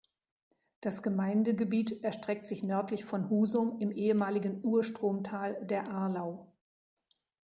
Das Gemeindegebiet erstreckt sich nördlich von Husum im ehemaligen Urstromtal der Arlau.